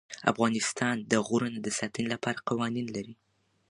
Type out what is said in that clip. افغانستان د غرونه د ساتنې لپاره قوانین لري.